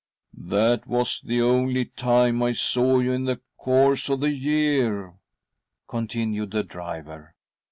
" That was the only time I saw you in the course of the year," continued the driver.